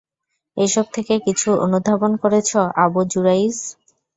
এসব থেকে কিছু অনুধাবন করেছ আবু যুরাইয?